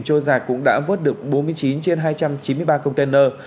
trôi giạt cũng đã vớt được bốn mươi chín trên hai trăm chín mươi ba container